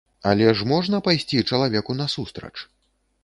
Але ж можна пайсці чалавеку насустрач?